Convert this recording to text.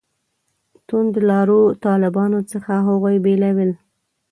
توندلارو طالبانو څخه هغوی بېلول.